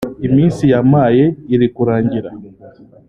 iminsi yampaye iri kurangira”